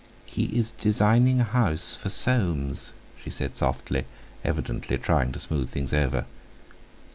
"He is designing a house for Soames," she said softly, evidently trying to smooth things over.